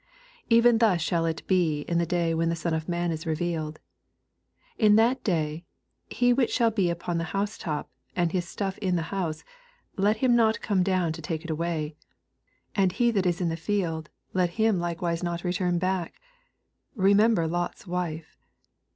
80 Even thus shall it be in the day when the Son of man is revealed. 81 In that day, he whicL bhall be upon the housetop, and his stuff in the house, let him not come down to take it away : and he that is in tUo field, let him likewise not return back 32 Bemember Lot's wife.